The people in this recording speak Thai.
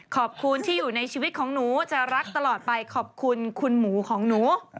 ขอบคุณที่อยู่ในชีวิตของหนูจะรักตลอดไปขอบคุณคุณหมูของหนู